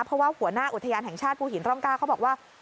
เพราะว่าหัวหน้าอุทยานแห่งชาติภูหินร่องกล้าเขาบอกว่า